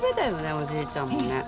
おじいちゃんもね。